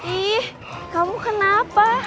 ih kamu kenapa